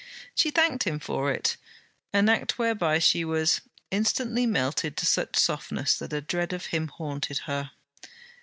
She thanked him for it; an act whereby she was: instantly melted to such softness that a dread of him haunted her.